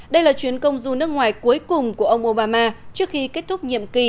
đây là chuyến công du nước ngoài cuối cùng của ông obama trước khi kết thúc nhiệm kỳ